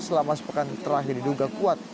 selama sepekan terakhir diduga kuat